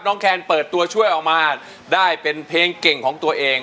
แคนเปิดตัวช่วยออกมาได้เป็นเพลงเก่งของตัวเอง